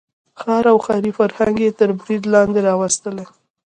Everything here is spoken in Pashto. ښار او ښاري فرهنګ یې تر برید لاندې راوستلی.